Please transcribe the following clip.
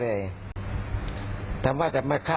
ออกตัวมันเป็นไปไม่ได้อะ